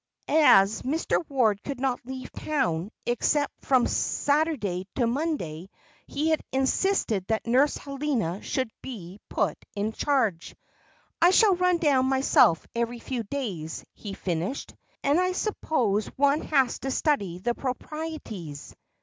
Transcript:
As Mr. Ward could not leave town, except from Saturday to Monday, he had insisted that Nurse Helena should be put in charge. "I shall run down myself every few days," he finished, "and I suppose one has to study the proprieties."